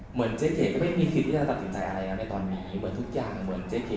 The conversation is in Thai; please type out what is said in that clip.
เหมือนกดดับนะครับผม